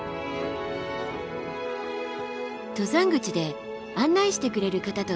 登山口で案内してくれる方と待ち合わせ。